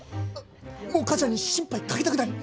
もう母ちゃんに心配かけたくない。